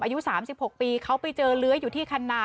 อายุ๓๖ปีเขาไปเจอเลื้อยอยู่ที่คันนา